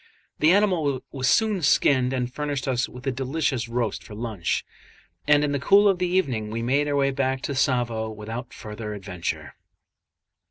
The animal was soon skinned and furnished us with a delicious roast for lunch; and in the cool of the evening we made our way back to Tsavo without further adventure.